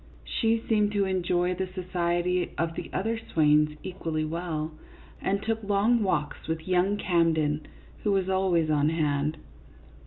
She seemed to enjoy the society of the other swains equally well, and took long walks with young Cam den, who was always on hand.